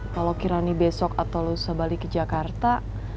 kalau kiranya besok atau lu sebalik ke jakarta